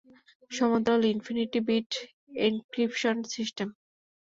সমান্তরাল infinity bit encryption system.